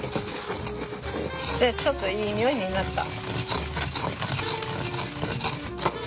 でちょっといい匂いになった！